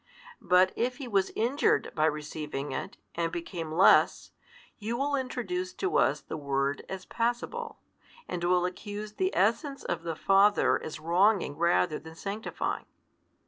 But if He was injured by receiving It, and became less, you will introduce to us the Word as passible, and will accuse the Essence of the Father as wronging rather than sanctifying.